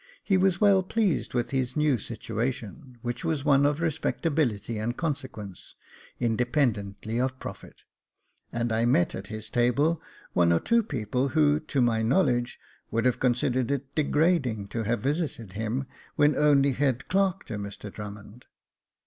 He was well pleased with his new situation, which was one of respectability and consequence, independently of profit ; and I met at his table one or two people, who, to my knowledge, would have considered it degrading to have visited him when only head clerk to Mr Drummond.